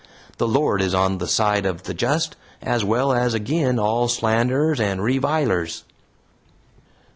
The Lord is on the side of the just, as well as agin all slanderers and revilers."